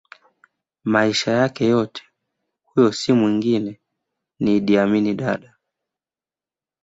maisha yake yote Huyo si mwengine ni Idi Amin Dada